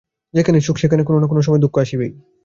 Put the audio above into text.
যেখানে সুখ, সেখানে কোন না কোন সময় দুঃখ আসিবেই।